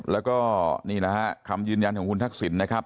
แล้วก็นี่แหละฮะคำยืนยันของคุณทักษิณนะครับ